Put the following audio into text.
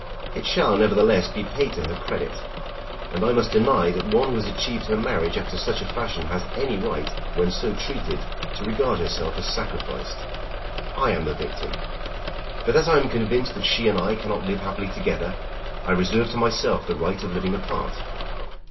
It shall nevertheless be paid to her credit. And I must deny that one who has achieved her marriage after such a fashion has any right, when so treated, to regard herself as sacrificed. I am the victim. But as I am convinced that she and I cannot live happily together, I reserve to myself the right of living apart."